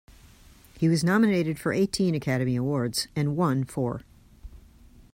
He was nominated for eighteen Academy Awards and won four.